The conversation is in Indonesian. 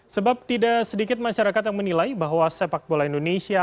sebab tidak sedikit masyarakat yang menilai bahwa sepak bola indonesia